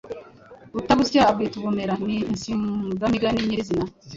Utabusya abwita ubumera” ni insigamugani nyirizina.